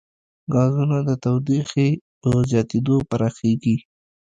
ګازونه د تودوخې په زیاتېدو پراخېږي.